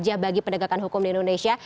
atau wajah bagi pendagang hukum di indonesia